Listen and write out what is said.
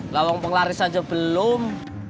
lawang penglaris aja belum